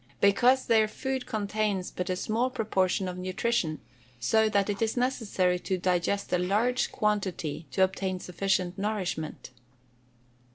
_ Because their food contains but a small proportion of nutrition, so that it is necessary to digest a large quantity to obtain sufficient nourishment.